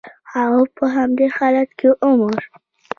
هغه په همدې حالت کې ومړ.